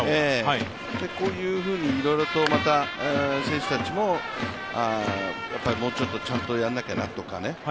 こういうふうにいろいろとまた選手たちももうちょっとちゃんとやらなきゃなとかね